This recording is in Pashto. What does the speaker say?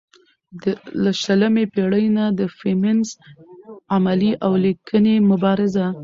له شلمې پېړۍ نه د فيمينزم عملي او ليکنۍ مبارزه